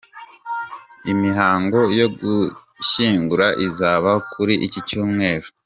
Imihango yo gushyingura izaba kuri iki Cyumweru.